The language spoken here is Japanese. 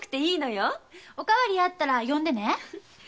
お代わりあったら呼んでね。